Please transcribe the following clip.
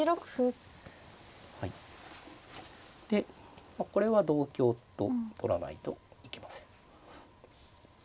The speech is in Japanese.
でこれは同香と取らないといけません。